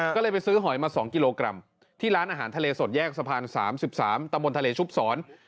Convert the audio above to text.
ก็เลยไปซื้อหอยมา๒กิโลกรัมที่ร้านอาหารทะเลสดแยกสะพาน๓๓ตะบนทะเลชุบศร